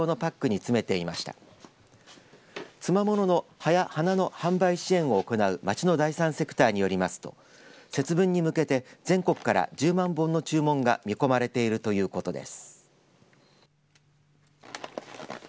つまものの葉や花の販売支援を行う町の第３セクターによりますと節分に向けて全国から１０万本の注文が見込まれているということです。